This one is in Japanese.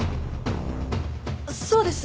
そうです！